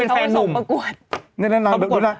นางหนุ่มมองข้างหลังอีกแล้วเนี่ย